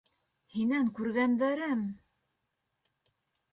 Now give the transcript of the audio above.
Һинән күргәндәрем!